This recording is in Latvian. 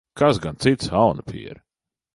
Kas gan cits, aunapiere?